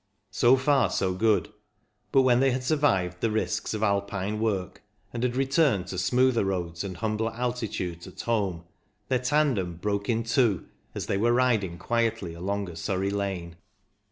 So far, so good ; but when they had survived the risks of Alpine work, and had returned to smoother roads and humbler altitudes at home, their tandem broke in two as they were riding quietly along a Surrey lane.